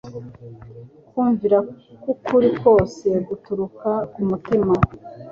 Kumvira k'ukuri kose guturuka ku mutima.